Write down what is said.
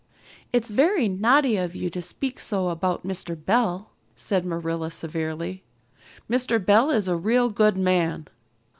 "It's very naughty of you to speak so about Mr. Bell," said Marilla severely. "Mr. Bell is a real good man."